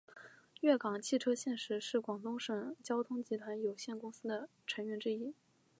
粤港汽车现时是广东省交通集团有限公司的成员之一。